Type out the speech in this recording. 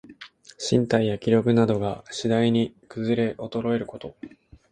身体や気力などが、しだいにくずれおとろえること。